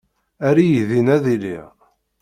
Err-iyi din ad iliɣ.